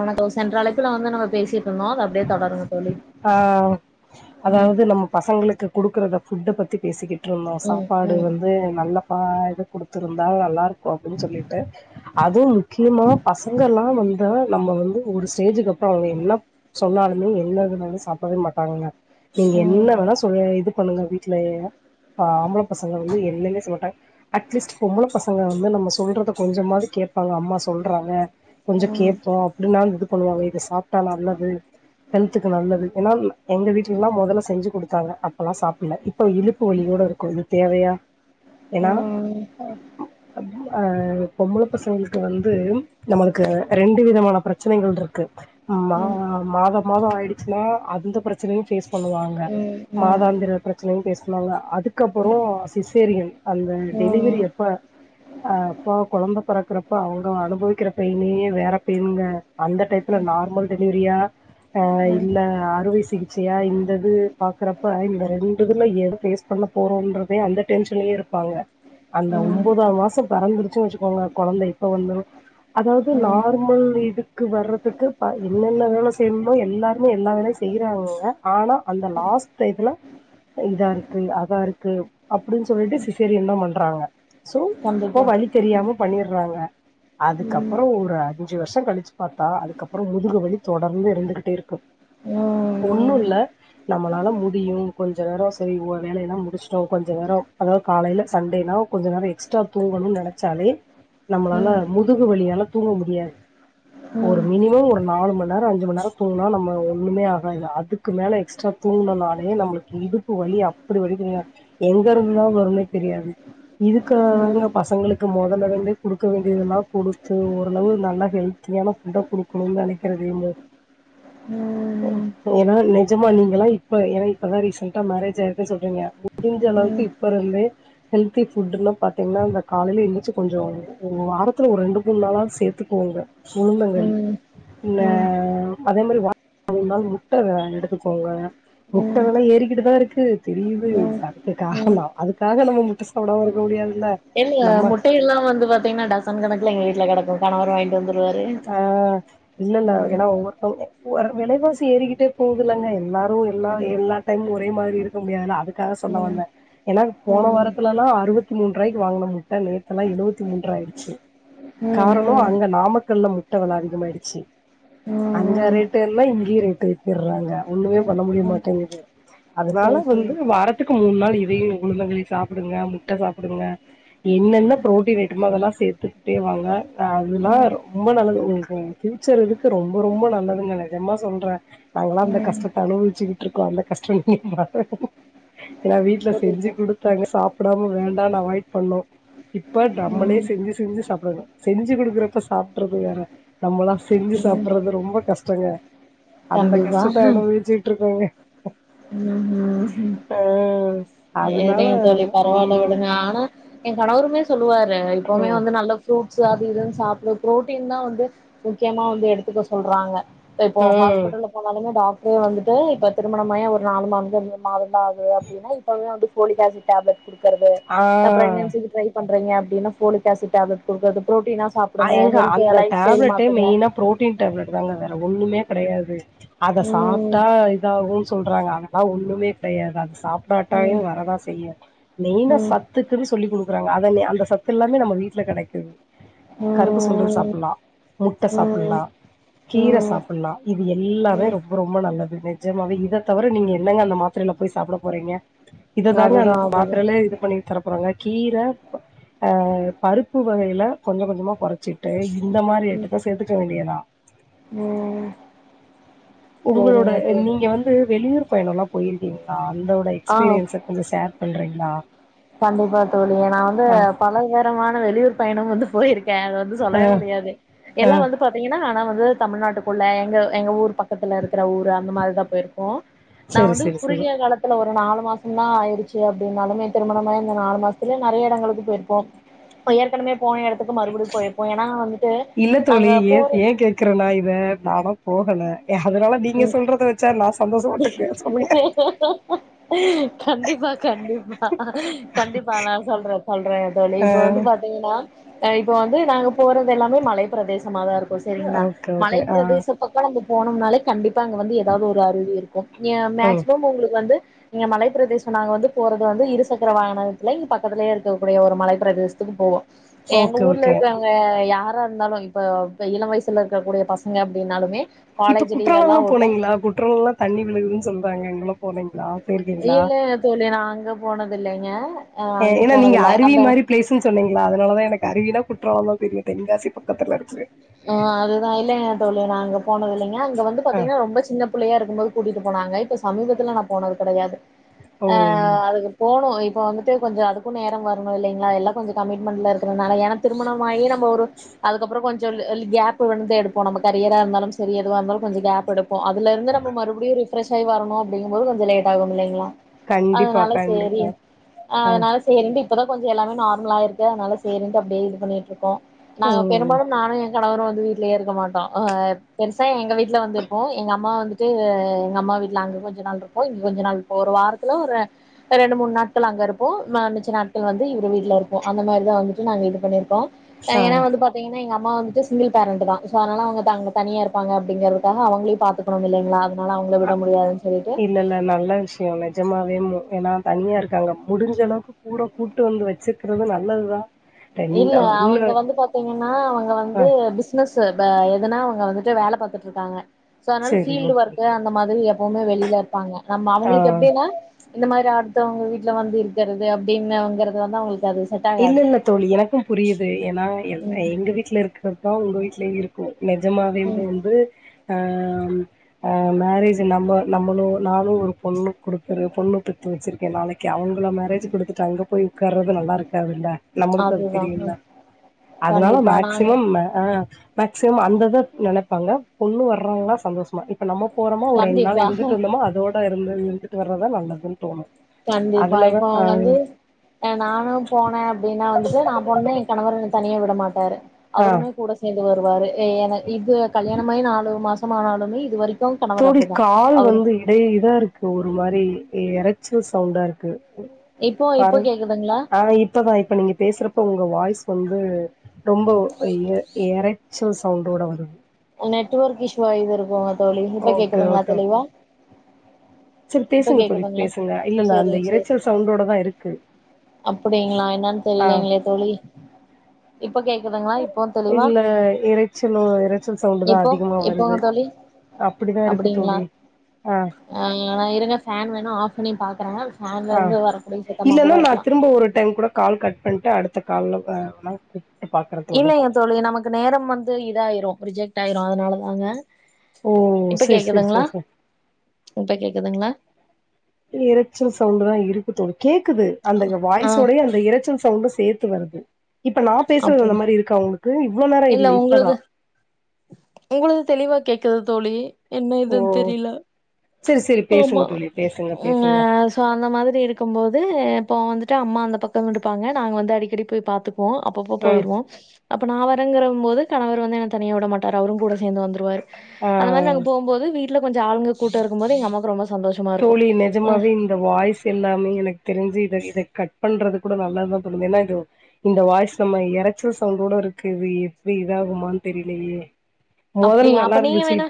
உனக்கு சென்ற அளவுக்கு வந்து நம்ம பேசி ஆ ம் அதாவது நம்ப பசங்களுக்கு குடுக்குறத ஃபுட்ட பத்தி பேசிக்கிட் ட்ருந்தோ ம் சாப்பாடு ம் வந்து நல்ல பா [unintelligible] குடுத்திருந்தா நல்லாருக் ஒ அப்டின்னு சொல்லிட்டு அது முக்கியமா பசங்களா வந்தா நம்ம வந்து ஒருஸ் டேஜுக்கு அப்புறோ அவங்க எல்லா சொன்னாலுமே என்னதுல சாப்பிடவே மாட்டாக நீங்க ம் ம் ம் ம் என்ன ம் வேணா சொல்லுங்க இது பண்ணுங்க வீ மெய்னா ஆம்பள பசங்க வந்து எதுவுமே சொல்லட்டாங்க அட்லீஸ்ட் பொம்பள பசங்க வந்து நம்ம சொல்றத கொஞ்சமாவது கேப்பாங்க அம்மா சொல்றாங்க ம் கொஞ்சோ ம் கேப்போ அப்டின்னான் இது பண்ணுவாங்க து சாப்ட்டா நல்லது ஹெல்த்துக்கு நல்லது எனா எங்க வீட்லல்லா மொதல்ல செஞ்சு குடுத்தாங்க அப்பல்லா சாப்புல்ல இப்ப இடுப்பு வலியோட இருக்கோ இது தேவையா ஏனா அ பொம்பள பசங்களுக்கு வந்து நம்மளுக்கு ரெண்டு விதமான பிரச்சனைகள் இருக்கு மா மாத மாத ஆயிடுச்சுன்னா அந்த பிரச்சனையு ஃபேஸ் பண்ணுவாங்க மாதாந்திர பிரச்சனையு ஃபேஸ் பண்ணுவாங்க அதுக்கப்பறோ சிசேரியன் அந்த டெலிவரி அப்ப அ அப்பா கொழந்த பெறக்குறப்போ அவுங்க அனுபவிக்கிற பெய்னே வேற பெய்னுங்க அந்த டையத்துல நார்மல் டெலிவரியா அ இல்ல அறுவை சிகிச்சையா இந்தது பாக்குறப்ப இந்த ரெண்டு இதுல எத ஃபேஸ் பண்ண போறோம்றதே அந்த டென்ஷன்லயே இருப்பாங்க ம் அந்த ம் ஒன்பதா மாசம் பெறந்துருச்சுன் வச்சுக்கோங்க கொழந்த இப்ப வந்துரு அதாவ்து ம் ம் நார்மல் இது க்கு வர்றத்துக்கு ப என்னென்ன வேல செய்னுமோ எல்லாருமே எல்லா வேலயு செய்றாங்கங்க ஆனா அந்த லாஸ்ட் டையத்துல இந்தாருக்கு அதாருக்கு அப்புடின்‌ சொல்ட்டு சிசேரியன்தா பண்றாங்க சோ இப்ப கண்டிப்பா வலி ம் தெரியாம பண்ணிர்றாங்க ம் ம் அதுக்கப்பறோ ஒரு அ ஞ்சு வருஷ கழிச்சு பாத்தா அதுக்கப்பற முதுகு வலி தொடர்ந்து இருந்துகிட்டே இருக்கு ம் ம் ம் ம் ம் ம் ஒன்னு இல்ல நம்மளால முடியும் கொஞ்ச நேர செரி வேலயெல்லா முடிச்ட்டோ கொஞ்ச நேர அதா காலைல சண்டேனா கொஞ்ச நேர எக்ஸ்ட்ரா தூங்கணுன் நெனச்சாலே நம்மளால ம் ம் முதுகு வலியால தூங்க முடியாது ம் ம் ஒரு மினிமம் ஒரு நாலு மண்நேர அஞ்சு மண்நேர தூங்குனா ‌நம்ம ஒன்னுமே ஆகாது அதுக்கு மேல எக்ஸ்ட்ரா தூங்குனனாலயு நம்ளுக்கு இடுப்பு வலி அப்பிடி வலிக்குங்க எங்கருந்துதா வரும்னே தெரியாது இதுக்காகதாங்க பசங்களுக்கு மொதல்லருந்தே குடுக்க வேண்டியதெல்லா குடுத்து ஓரளவு நல்லா ஹெல்த்தியான ஃபுட்டா குடுக்கனுன் நெனக்கிற [unintelligible] ஏன்னா நெஜமா நீங்கல்லா இப்ப ஏனா இப்பதா ரீசண்டா மேரேஜ் ஆயிருக்குனு சொல்றீங்க முடுஞ்ச அளவுக்கு இப்பருந்தே ஹெல்தி ஃபுட்டுன்னா பாத்தீங்னா இந்த காலைல எந்திர்ச்சி கொஞ்சொ வாரத்துல ஒரு ரெண்டு மூண் நாளாவ்து சேத்துக்கோங்க உளுந்தங்களி இந்த அதே மாரி வாரத்துல ஓரு நாள் முட்ட எடுத்துக்கோங்க முட்ட வெல ஏறிக்கிட்டு தா இருக்கு [unintelligible] தெரியிது அதுக்கு காரண அதுக் காக நம்ம முட்ட சாப்டாம இருக்க முடியாது இல்ல முட்டையெல்லா வந்து பாத்தீங்னா டசன் கணக்குல எங்க வீட்ல கடக்கு கணவர் வாங்கி ஆ இல்ல நா ம் ஏனா ஒவ்வொருத்தவ்ங்க ஒர் வெலைவாசி ஏறிக்கிட்டே போவுதுல்லங்க எல்லாரு எல்லா எல்லா டைம் ஒரே மாரி இருக்க முடியாதுல அதுக்காக சொல்ல ம் வந்தெ ஏன்னா போன ம் ம் வாரத்துலல்லா அறுவத்தி மூன்ருவாய்க்கு வாங்குன முட்ட நேத்தெல்லா எழுவத்தி மூன்ருவா ஆயிடுச்சு ம் ம் காரணொ அங்க நாம கல்ல முட்ட வெல அதிகமாயிடுச்சி ம் அங்க ம் ரேட்டு ஏர்னா இங்கயு ரேட்டு ஏத்திர்றாங்க ஒன்னுமே ம் பண்ண முடிய ம் மாட்டெங்குது அதுனால சரி வந்து சரி வார த்துக்கு மூணு நாள் இதையு உளுந்தங்களி சாப்புடுங்க முட்ட சாப்புடுங்க என்னென்ன புரோட்டின் ஐட்டமோ அதெல்லா சேத்துக்கிட்டே வாங்க அதெல்லா ம் ரொ ம்ப நல்லது உங்களுக்கு ஃபியூச்சர் இதுக்கு ரொம்ப ரொம்ப நல்லதுங்க நெஜம்மா சொல்றெ நாங்கல்லா அந்த ம் கஷ்டத்த அனுபவிச்சுக்கிட்ருக்கோ அந்த கஷ்ட [inaudible] [unintelligible] வீட்ல செஞ்சி புரியுது குடுத்தாங்க சாப் க்டாம் வேண்டான்னு அவாய்ட் பண்ணோ இப்ப ம் டம்மளே செஞ்சு செஞ்சு சாப்படணு செஞ்சு குடுக்குறப்ப சாப் ட்றது வேற நம்மல்லா செஞ்சி ம் சாப்பறது ரொம்ப கஷ்டங்க அந்த கண்டிப்பா கஷ்டத்தை அனுபவிச்சிட்டு இருக்கங்க ஆ அதனால சேறிங் தோழி பரவால்ல ம் விடுங்க ஆனா எ கணவுருமே சொல்லுவார் அ இப்பவுமே ம் வந்து நல்ல ஃப்ரூட் ட்சு அது இது சாப்டு ப்ரோட்டீன் தா வந்து முக்கியமா வந்து எடுத்துக்க சொல்றாங்க இப்போ ம் ஹாஸ்பிட்டல்ல போனாலுமே டாக் து வந்துட்டு இப்ப திருமணமாய் ஒரு நாலு மாத நால நாள்த ஆகுது அப்டின்னா இப்பவே வந்துட்டு ஃபோலிகேசி டேப்லெட் டுக்கிறது ஆ அப்ற ஏந்திக்க ட்ரை பண் ப்ரங்யாரிட்டி ஃபோலிக்ஆசிட் டேப்லெட் குடுக்கறது புரோட்டீனா ஐங்க சாப்டுங்க எங்க ஹெல்த் அந்த லைஃப் ஸ்டைல் டேப்லெட்டே மாத்துங்க மெய்னா ப்ரோட்டீன் டேப்லெட் தாங்க வேற ஒண்ணுமே கெடையாது அத ம் சாப்ட்டா இதாகு சொல்றாங்க அதலா ஒண்ணுமே டையாதா சாப்டாடாயு ம் வரதா செய்யு மெய்னா ம் சத்துக்குனு சொல்லி குடு ப்புறாங்க அத அந்த சத்தெல்லாமே நம்ம வீட்ல கெடைக்குது கருப்பு சுண்டல் ம் சாப்புலா முட்டை சாப்புலா ம் கீர ம் சாப்புலா இது எல்லாமே ம் ரொம்ப ரொம்ப நல்லது நிஜமவே இத தவிர நீங்க என்னங்க அந்த மாத்ரல போய் சாப்ட போறீங்க இததாங்க அதுதா அந்த அதுதா மாத்ரல இது பண்ணி தரப்போறாங்க கீர ப் அ பருப்பு வகையில கொஞ்ச கொஞ்சமா கொறச்சிட்டே இந்த மாரி ம் ஐட்டத்தை சேர்த்துக்க வேண்டியதா ம் உங்குளோட சேரிங்க தோழி நீங்க வந்து வெளியூர் பயணல்லா போய்ருக்கிங்ளா அந்த ஒரு ஆ எக்ஸ்பீரியன்ச கொஞ்ச ஷேர் பண்ற ளா கண்டிப்பா தோழி நா வந்து பல நேரமான வெளியூர் பயணம் வந்து போயிருக்கே அதை வந்து சொல்லவே முடியாது ஆ எல்லா வந்து பாத்தீங்கன்னா நா வந் து தமிழ்நாட்டுக்குள்ள எங்க எங்க ஊர் பக்கத்துல இருக்கிற ஊர அந்த மாரி தா போயிரு கோ நா சரி, வந்து சரி, சரி. குறுகிய காலத்துல ஒரு நாலு மாசந்தா ஆயிருச்சு அப்டின்னாலுமே திருமணமாயி இந்த நாலு மாசத்துலயெ நறைய எடங்களுக்கு போயிருப்போ இப்ப ஏற்கனவே போன எடத்துக்கு மறுபடியு போயிருப்போ ஏன்னா வந்துட்டு இல்ல தோழி நாங்க ஏ போற ஏ கேக்குறனா இத நாலா போகல அதனால நீங்க சொல்றத வச்சா நான் சந்தோஷப்பட்டுக்குவேன் சொல்லுங்க. கண்டிப்பா கண்டிப்பா கண்டிப்பா நா சொல்றே சொல்றே தோழி ஆ இப்ப வந்து பாத்தீங்கனா இப்ப வந்து நாங்க போறதெல்லாமே மலை பிரதே சமாதா இருக்கு செரிங்ளா ஓகே, ஓகே. ஆ மலைப்பிரதேச பக்க நம்ம போனொம்னாலே கண்டிப் பா அங்க வந்து எதாவ்து ஒரு அருவி இருக்கு ஏ ம். மேக்சிமம் ஒங்ளுக்கு வந்து இங்க மலைப் பிரதேச நாங்க வந்து போறது வந்து இருசக்கர வாகனத்துல இங்க பக்கத்துலயே இருக்கக்கூடிய ஒரு மலைப்பிரதேசத்துக்கு போவோ எங்க ஓகே, ஊர்ல ஓகே. இருக்கவுங்க யா ரா இருந்தாலு‌ இப்ப ப இளம் வயசுல இருக்கக்கூடிய பசங்க அப்டின்னாலுமே காலேஜ் லீவ் எல்லா குற்றாலொல்லா விட்டா போனீங்ளா குற்றாலொல்லா தண்ணி விழுகுதுன் சொல்றாங்க அங்கல்லா இல்ல தோழி நா அங்க போனதில்லைங்க அ ஏனா நீங்க அருவி மாரி பிளேஸுன் சொன்னீங்களா அதனாலதா எனக்கு அருவினா குற்றாலந்தா தெரியு தென்காசி பக்கத்துலருக்குது ஆ அதுதா இல்லைங்க தோழி நா அங்க போனதில்லெங்க அங்க வந்து ஆ பாத்தீங்னா ரொம்ப சின்ன புள்ளையா இருக்கும் போது கூட்டிட்டு போனாங்க இப் ப சமீபத்துல நா போனது கடையாது ஓ ஆ அதுக்கு போனு இப் ப வந்துட்டு கொஞ்ச அதுக்கு நேர வரனு இல்லைங்ளா எல்லா கொஞ்ச கமிட்மெண்ட்ல இருக்குறனால எனக் திருமணமாகியெ ந [unintelligible] அதுக்கப்றொ கொஞ் [unintelligible] கேப்பு வந்து எடுப்போ நம்ம கரியரா இருந்தாலும் சரி எதுவா இருந்தாலு கொஞ்ச கேப் எடுப் பொ அதுலெருந்து நம்ம மறுபடியு ரிஃ ப்ரஷ் ஆயி வரனு அப்டிங்கம்மோது கொஞ்ச லேட்டாகும் இல்லைங்ளா கண்டிப்பா அதுனால சேரி கண்டிப்பா அ ஆ அதுனால சேரின்டு இப்பதா கொஞ்ச எல்லாமே நார்மலா இருக்கு அதனால சேரின்டு அப்டியே இது பண்ணிட்ருக்கோ நாங்க ம் ம் பெரும்பாலும் நானு எ‌ கணவரு வந்து வீட்லயே இருக்க மாட்டோ அ பெருசா எங்க வீ ட்ல வந்துருப்போ எங்க அம்மா வந் து எங்க அம்மா வீட்ல அங்க கொஞ்ச நாள் இருப்போ இங்க கொஞ்ச நாள் இருப்போ ஒரு வாரத்துல ஒரு ரெண்டு மூணு நாட்கள் அங்க இருப்போ ந மிச்ச நாட்கள் வந்து இவரு வீட்ல இருப்போ அந்த மாதிரி தா வந்துட்டு நாங்க இது பண்ணிருக்கோ ஆ ஏனா வந்து பாத்தீங்க எங்க அம்மா வந்துட்டு சிங்கிள் பேரண்ட் தா சொ அதனால அவங்க தங்க தனியா இருப்பாங்க அப்டிங்கிறதுக்காக அவங்களயு பாத்துக்கணு இல்லிங்ளா அ இல்லல்ல நல்ல விஷய நிஜமாவே மு ஏன்னா தனியா இருக்காங்க முடிஞ்ச அளவுக்கு கூட கூட்டு வந்து வச்சுக்கறது நல்லது தா இல்ல அவங்க வந்து பாத்தீங்கன்னா அவங்க ஆ வந்து பிசினசு பா எதுனா அவங்க வந்துட்டு வேல பத்துட்டுருக்காங்க சோ அதனால சரி பீல்டு ஓகே ஒர்க்கு அந்த மாதிரி ப்போமே வெளில இருப்பாங்க ஆம்மா ஆ அவங்களுக்கு எப்டின்னா இந்த மாதிரி அடுத்தவங்க வீட்ல வந்து இருக்கிறது அப்டின்னங்கறதுல தா அவுங் அது செட்டாகாது எனக்கும் புரியுது ஏன்னா எங்க வீட்ல இருக்கறதா உங்க வீட்லயு இரு ம் நெஜமாவேவுந்து ஆ மேரேஜ் நம்ப நம்பளு நானு ஒரு பொண்ணு கொடுக்குற பொண்ணு பெத்து வச்சுருக்கே நாளைக்கு அவங் ப்ல மேரஜ்குடுத்துட்டு அங்க போய் கார்றது நல்லா இருக் க்காதுல்ல நம்மளுக்கு அது அதுதா தெரியும்ல அதனால கண்டிப்பா நாங்க மேக்சிமம் ம அ மேக்சிமம் அந்த து நெனப்பாங்க பொண்ணு வர்றவங்க சந்தோஷமா இப்ப நம்ம போறமா ஒரு ரெண்டு நாள் கண்டிப்பா இருந்துட்டு வந்தமா அதோட இருந்து இருந்து டு வர்றதா நல்லதுன் தோணு கண்டிப்பா இப்போ அவங்க வந்து அ நானு போனே அப்டின்னா வந்துட்டு நா பேண்ணன எ கணவர் தனியா ய விட மாட்டாரு ஆ அவருமே கூட சேர்ந்து வரு வருவாறு இது கல்யாணமாய் நாலு மாசம்மானாலுமே இதுவரைக்கு தோழி கால் வந்து இடை இதா இருக்கு ஒரு மாரி எற சு சவுண்டா இருக்கு இப்போ இப்போ பாரு கேக்குதுங்களா ஆ இப்பதா இப்ப நீங்க பேசுறப்ப உங்க வாய்ஸ் வந்து ரொம்ப எ எறச்சல் ச சவுண்டோட வரு நெட்வொர்க் இஸ்ஷுவா ஏது இருக்கு தோழி இப்ப ஓகே கேக்குதுங்ளா ஓகே தெளிவா சரி இப்ப பேசுங்க தோழி கேக்குதுங்களா பேசுங்க இல்லல்ல அந்த சேரிங்க சேரி இறைச்சல் சவுண்டோடதா இருக்கு அப்டிங்களா என்னன்னு ஆ தெரியலங்களே தோழி இப்ப கேக்குதுங்களா இப்போ தெளிவா இல்ல இரைச்சலோ இரைச்சல் சவுண்டு தா இப்போ அதிகமா இப்போங்க வருது தோழி அப்பிடிதா இருக்கு அப்டிங்களா தோழி ஆ நா இருங்க ஃபேன் வேணா ஆஃப் பண்ணி பாக்குறே ஃபேன்ல ஆ இருந்து வரக்கூடிய சத்தமா இல்லன்னா கூட நா இருக்கலா திரும்ப ஒரு டைம் கூட கால் கட் பண்ட்டு அடுத்த கால்ல வ வெனா கூப் இல்லெங்க தோழி நமக்கு நேரம் வந்து இதாயிரு ரிஜெக்ட் ஆயிரு அதுனால தாங்க ஓ இப்ப செர் செர் கேக்குதுங்களா செர் செ இப்ப கேக்குதுங்களா இரைச்சல் சவுண்டு தா இருக்கு தோழி கேக்குது அந்த ஆ வாய்ஸோடையெ அந்த இரச்சல் சவுண்டு சேத்து வருது இப்ப நா பேசுறது அப்போ அந்த மாரி இருக்கா உங்ளுக்கு இல்ல உங்களுது உங்களுது தெளிவா கேக்குது தோழி என்ன ஓ இதுன் தெரில செரி செரி பேசுங்க ஆமா தோழி பேசுங்க அ பேசுங்க சோ அந்த மாதிரி இருக்கும்போது இப்ப வந்து ட்டு அம்மா அந்த பக்கமிடுக்காங்க நாங்க வந்து அடிக்கடி போய் பாத்து ப்போ அப்பப்ப ம் போயிருவோ அப்ப நா வ ரங்கறம்மோது கணவர் வந்து என தனியா வுட மாட்டாரு அவரு கூட சேந்து வந்துருவாரு ஆ அந்த மாரி நாங்க போம்போது வீ ட்ல கொஞ்ச ஆளுங்க கூட்ட இருக்கும் போது எங்க அம்மாக்கு ரொம்ப சந்தோஷமா இருக்கு தோழி அ நெஜமாவே இந்த வாய்ஸ் எல்லாமே எனக்கு தெருஞ்சு இத இத கட் பண்றது கூட நல்லதுதா தோனுது ஏன்னா இது இந்த வாய்ஸ் நம்ம எரச்சல் சவுண்டோட இருக்கு இது எப்டி இதாகுமான் தெரிலயே அப்டியா அப்ப நீங்க வேணா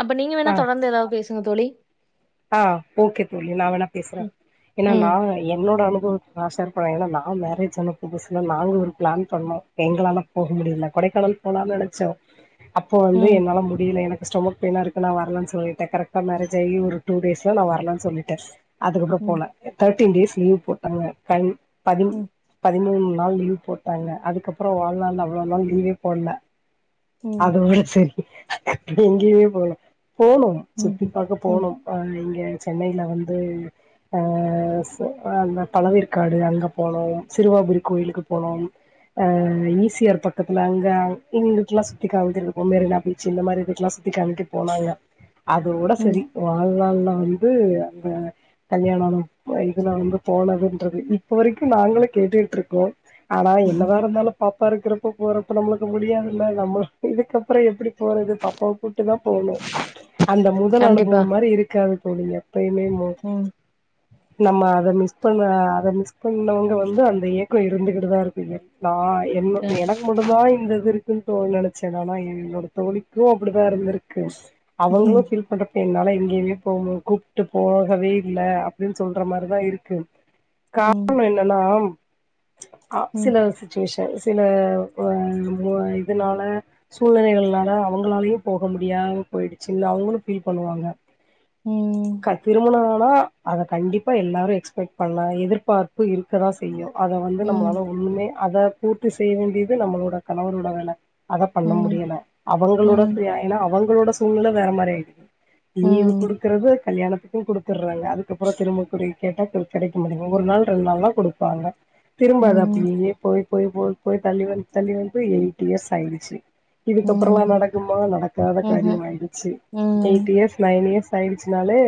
அப்ப நீங்க ஆ வேணா தொடர்ந்து எதா பே ‌சுங்க தோழி ஆ ஓகே தோழி நா வேணா பேசுறே ம் என்னா நா என்னோட அனு பவொ நா ஷேர் பண்ண ஏனா நா மேரேஜ் ஆன புதுசுல நாங்க ஒரு பிளான் பண்ணோ எங்களால போக முடியில கொடைக்கானல் போலான் நெனச்சோ அப்போ வந்து ம் என்னால முடியில எனக் கு ஸ்டொமக் பெயினா இருக்கு நா வர்லன் சொல்லிட்டே கரெக்டா மேரேஜ் ஆயி ஒரு டூ டேஸ்ல நா வர்லன் சொல்லிட்டே அதுக்கப்ற ம் போல த ட்டீன் டேஸ் லீவ் போட்டாங்க கன் பதி ம் பதிமூணு நாள் லீவ் போட்டாங்க அதுக்கப்றோ வாழ்நாள்ல அவ்ளோ நாள் லீவே போட்ல ம் அதோட செரி எங்யுமே போல போணு ம் சுத்தி ம் பாக்க ம் ம் போனோ இங்க சென்னையில வந்து அ அந்த பழவேற்காடு அங்க போனோ சிறுவாபுரி கோயிலுக்கு போனோ அ ஈ சி ஆர் பக்கத்துல அங்க இங்கிட்டல்லா சுத்தி காமிசிட்டுப்போ மெரினா பீச் இந்த மாரி இது எல்லா சுத்தி காமிச்சிட் போனாங்க அதோட ம் சரி வாழ்நாள்ல வந்து அந்த கல்யாணம் இதுல்லா வந்து போனதுன்றது இப்ப வரைக்கு நாங்களு கேட்டுட்டு இருக்கோ ஆனா என்ன தா இருந்தாலு பா பாக்கிறப்ப போறப்ப நம்மளுக்கு முடியாதுல்ல நம்ம சுத்தி இதுக்கப்பற எப்டி போறது பப்பாவ கூட்டு தா போகணு அந்த முதல் அனுப கண்டிப்பா போமாரி இருக்காது தோழி எப்பயுமே மோ ம் நம்ம அத மிஸ் பன்ன அத மிஸ் பண்ணவங்க வந்து அந்த ஏக்க இருந்துகிட்டுதா இருக்கு சா க என்ன எனக்கு மட்டு தா இந்த இது இருக் இந்தோ நெனச்சே ஆனா எனங்களோட தோழிக்கு அப்டிதா இருந்துருக்கு அவுங்களு ம் ஃபீல் பண்ற என்னால எங்கேயுமே போக கூப்ட்டு போகவே இல்ல அப்டின்னு சொல்ற மாதிரிதா இருக்கு ம் காரண என்னன்னா அஃப் ம் ம் சில சிச்சுவேஷன் சில உஅ உஅ இதுனால சூழ்நிலைகள்னால அவுங்களாலயு போக முடியாம போயிடுச்சுல்ல அவங்களு ஃபீல் பண்ணுவாங்க ம் க்க திருமண ஆனா அதை கண்டிப்பா எல்லாரு எக்ஸ்பெக்ட் பண்ணலா எதிர்பார்ப்பு இருக்கதா செய்யு அத வந்து ம் நம்மளால ஒன்னுமே அத பூர்த்தி செய்ய வேண்டியது நம்மளோட கணவரோட வேல அத பண்ண ம் ம் முடியல அவங்களோட ம் ஃப்ரி ஏன்னா அவங்க அவங்களோ சூழ்நிலை வேற மாரி ஆய்ச் லீவு ம் குடுக்கறது கல்யாண க்கும் குடுத்தடுறாங்க அதுக்கப்ற திருப்பகுறி கேட்டா கிடைக்க மாட்டேங்குது ஒரு நாள் ரெண்டு நாள் தா குடுப்பாங்க திரும்ப அத அப்டியே போய் போய் போய் போய் தள்ளி வந்து தள்ளி வந்து எயிட் இயர்ஸ் ஆயிச்சு இதுக்கப்றமா ம்ஹும் நடக்குமா நடக்காத காரியம ஆயிடுச்சு எய்ட் ம் இயர்ஸ் நைன் இயர்ஸ் சயிச்சுனாலே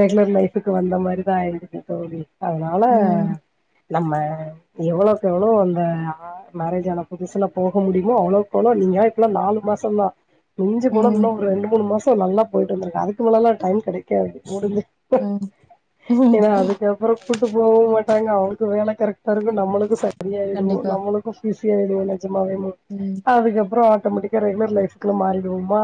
ரெகுலர் லைஃபுக்கு வந்த மாரி தா ஆயிடுச்சு தோழி அதனால ம் நம்ம எவ்ளோக்கெவ்ளோ அந்த மேரேஜ் ஆன புதுசுல போக முடியுமோ அவ்ளோக்கவ்ளோ நீங்க இப்பல்லா நாலு மாசந்தா மிஞ்சி ம் போனா இன்னு ம் ஒரு ரெண்டு மூணு மாச நல்லா போயிட்டுருந்தது அதுக்கு மேல்லா டைம் கிடைக்காது முடிஞ் ஏன்னா அதுக்கப்ற கூட்டு போவு மாட் டாங்க அவுனுக்கு வேல கறக் ரு நம்மளுக்கு சரிய ஆயிடும் கண்டிப்பா நம்மளுக்கு ஃபிஸ் சேரி உனக் ஜமாவ மு ம் அதுக்கப்ற ட்டமெட்டிக்கெ ரெகுலர் லைஃப்க்கு மாறிடுவோமா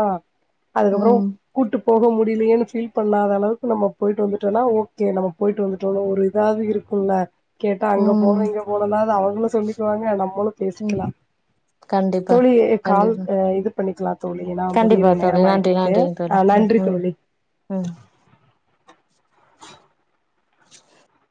அதுக்கப்றம் ம் கூட்டு போக முடியலையேன்னு ஃபீல் பண்ணாத அளவுக்கு நம்ம போயிட்டு வந்துட்டோனா ஓகே நம்ம போயிட்டு வந்துட்டோ ஒரு இதாவுது இருக்குல்ல கேட்டா அங்க போனோ ம் இங்க போனோனாது அவங்களு சொல்லிக்குவாங்க நம்மளு ம் பேசிக்கலா கண்டிப்பா தோழி கால் கண்டிப்பா ஆ இது பண்ணிக்கலா தோழி நா முடியல நேரமாயிடு நன்றிங் தோழி ம் ம் ம் அ [inaudible]